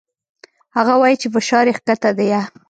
هغه وايي چې فشار يې کښته ديه.